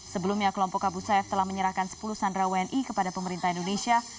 sebelumnya kelompok abu sayyaf telah menyerahkan sepuluh sandra wni kepada pemerintah indonesia